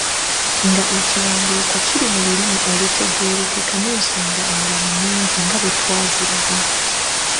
Nga ekiwandiiko kiri mu lulimi olutegeerekeka n’ensonga endala nnyingi nga bwe twaziraba.